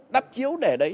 đắp chiếu để đấy